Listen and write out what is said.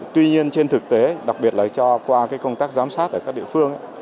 tuy nhiên trên thực tế đặc biệt là cho qua công tác giám sát ở các địa phương